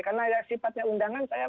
karena ya sifatnya undangan saya